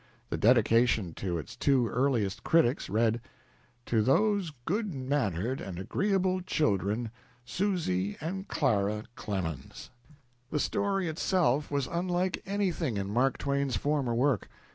The dedication to its two earliest critics read: "To those good mannered and agreeable children, Susy and Clara Clemens." The story itself was unlike anything in Mark Twain's former work.